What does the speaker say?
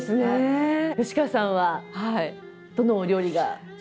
吉川さんはどのお料理が？